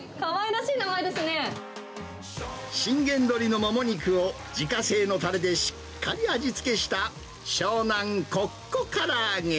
しんげんどりのモモ肉を自家製のたれでしっかり味付けした、湘南こっこからあげ。